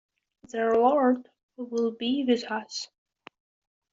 The Lord will be with us.